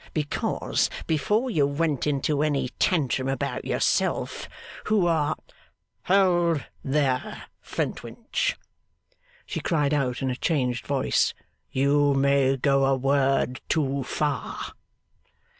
Because, before you went into any tantrum about yourself, who are ' 'Hold there, Flintwinch!' she cried out in a changed voice: 'you may go a word too far.